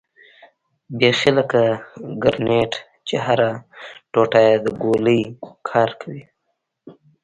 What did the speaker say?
بيخي لکه ګرنېټ چې هره ټوټه يې د ګولۍ کار کوي.